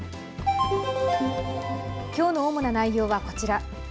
きょうの主な内容はこちら。